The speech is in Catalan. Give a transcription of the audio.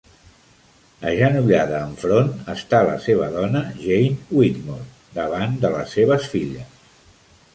Agenollada enfront està la seva dona Jane Whitmore davant de les seves filles.